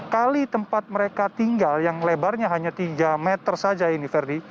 kali tempat mereka tinggal yang lebarnya hanya tiga meter saja ini ferdi